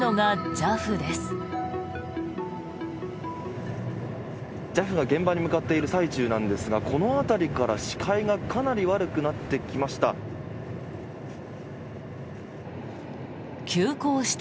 ＪＡＦが現場に向かっている最中なんですがこの辺りから視界がかなり悪くなってきました。